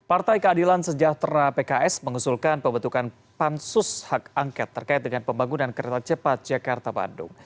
partai keadilan sejahtera pks mengusulkan pembentukan pansus hak angket terkait dengan pembangunan kereta cepat jakarta bandung